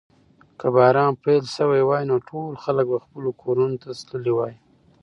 که باران پیل شوی وای نو ټول خلک به خپلو کورونو ته تللي وای.